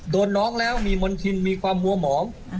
โดนน้องแล้วมีมณชินมีความมัวหมอง